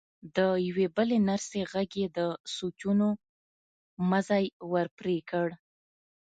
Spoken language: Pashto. د يوې بلې نرسې غږ يې د سوچونو مزی ور پرې کړ.